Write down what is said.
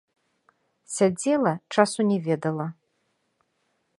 Сядзела, часу не ведала.